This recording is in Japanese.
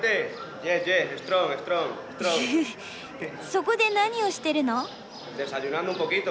そこで何をしてるの？